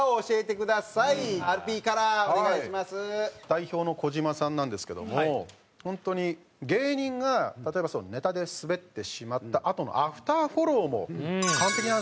代表の児島さんなんですけども本当に芸人が例えばネタでスベってしまったあとのアフターフォローも完璧なんですよね。